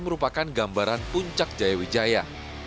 merupakan gambaran puncak jaya wijaya